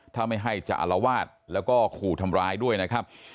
ถ้าไม่ให้จะอารวาสแล้วก็ขู่ทำร้ายด้วยนะครับ